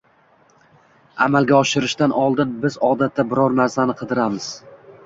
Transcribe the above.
Amalga oshirishdan oldin biz odatda biror narsani qidiramiz.